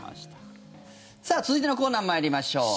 さあ、続いてのコーナー参りましょう。